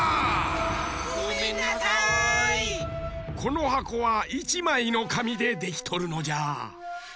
このはこは１まいのかみでできとるのじゃ。